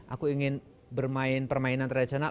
aku ingin bermain permainan tradisional